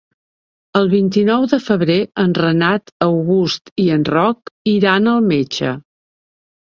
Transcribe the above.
El vint-i-nou de febrer en Renat August i en Roc iran al metge.